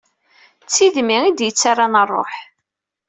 D tidmi i d-yettarran rruḥ.